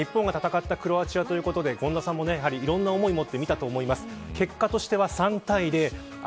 日本が戦ったクロアチアということで権田さんもいろんな思いで見たと思います。